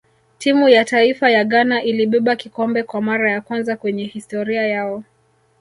timu ya taifa ya ghana ilibeba kikombe kwa mara ya kwanza kwenye historia yao